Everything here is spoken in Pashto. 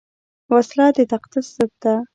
وسله د تقدس ضد ده